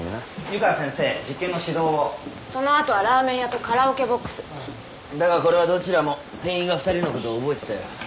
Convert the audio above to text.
湯川先生実験の指導をその後はラーメン屋とカラオケボックスだがこれはどちらも店員が２人のことを覚えてたよ